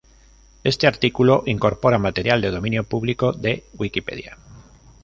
Este artículo incorpora material de dominio público de Wikipedia.